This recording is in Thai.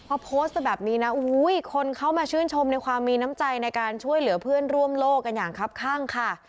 พอโพสต์ไปแบบนี้นะคนเข้ามาชื่นชมในความมีน้ำใจในการช่วยเหลือเพื่อนร่วมโลกกันอย่างครับข้างค่ะ